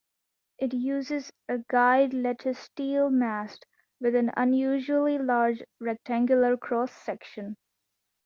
It uses a guyed lattice steel mast with an unusually large rectangular cross section.